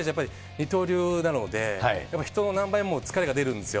二刀流なので、やっぱり人の何倍も疲れが出るんですよ。